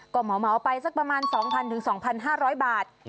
ก็เหมาไปสักประมาณ๒๐๐๒๕๐๐บาท